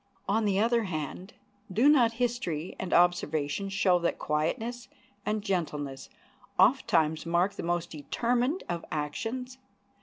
And on the other hand, do not history and observation show that quietness and gentleness ofttimes mark the most determined of actions?